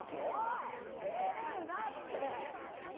照れるなって！